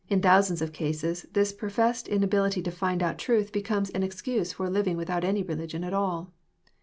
In thousands of cases this professed Inability to find out truth becomes an excuse for living without any religion at all.